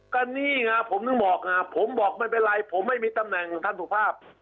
ก็นี่ไงผมถึงบอกไงผมบอกไม่เป็นไรผมไม่มีตำแหน่งท่านสุภาพ